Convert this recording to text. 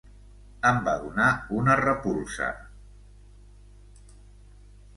Em va donar una repulsa!